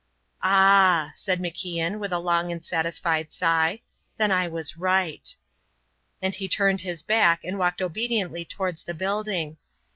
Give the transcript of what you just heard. "Ah!" said MacIan, with a long and satisfied sigh, "then I was right." And he turned his back and walked obediently towards the building.